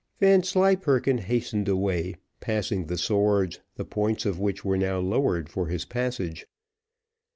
Vanslyperken hastened away, passing the swords, the points of which were now lowered for his passage.